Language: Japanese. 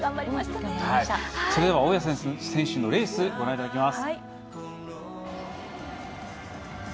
それでは大矢選手のレースご覧いただきます。